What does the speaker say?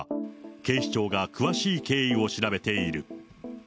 警視庁が詳しい経緯を調べている。